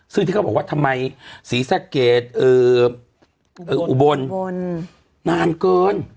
ซึ่งที่เขาบอกว่าทำไมศรีสะเกดอุบลนานเกิน